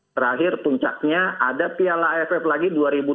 terakhir puncaknya ada piala aff lagi dua ribu dua puluh